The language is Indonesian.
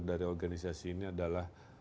dari organisasi ini adalah